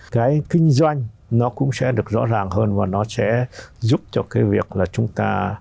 cái kinh doanh nó cũng sẽ được rõ ràng hơn và nó sẽ giúp cho cái việc là chúng ta